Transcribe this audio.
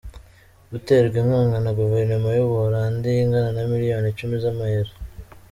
Uterwa inkunga na Guverinoma y’u Buholandi ingana na miliyoni icumi z’amayero.